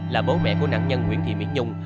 là bố mẹ của nạn nhân nguyễn thị miễn nhung